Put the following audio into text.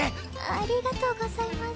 ありがとうございます。